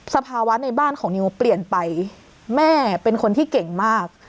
สภาวะในบ้านของนิวเปลี่ยนไปแม่เป็นคนที่เก่งมาก